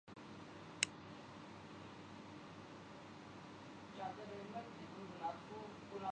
ان کے سامنے وہی سچ تھا کہ جان ہے۔